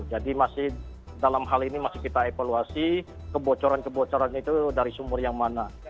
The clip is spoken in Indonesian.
jadi masih dalam hal ini masih kita evaluasi kebocoran kebocoran itu dari sumur yang mana